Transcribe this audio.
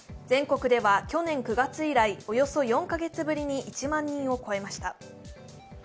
全国では去年９月以来、およそ４カ月ぶりに１万人を超えました。